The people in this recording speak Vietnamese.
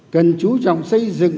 cần chú trọng xây dựng